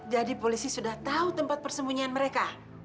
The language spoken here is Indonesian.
jadi polisi sudah tahu tempat persembunyian mereka